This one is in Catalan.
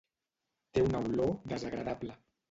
Té una olor desagradable.